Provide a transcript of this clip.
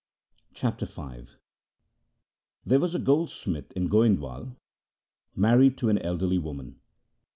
Chapter V There was a goldsmith in Goindwal married to an elderly woman.